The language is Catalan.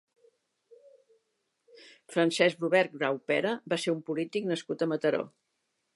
Francesc Robert Graupera va ser un polític nascut a Mataró.